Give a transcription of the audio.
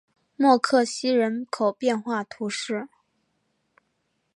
默克西人口变化图示